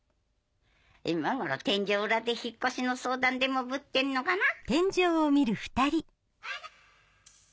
今頃天井裏で引っ越しの相談でもぶってんのかな。